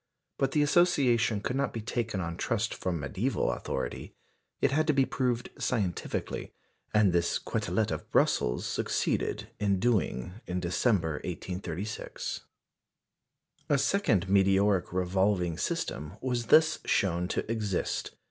But the association could not be taken on trust from mediæval authority. It had to be proved scientifically, and this Quetelet of Brussels succeeded in doing in December, 1836. A second meteoric revolving system was thus shown to exist.